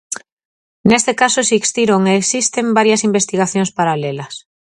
Neste caso existiron e existen varias investigacións paralelas.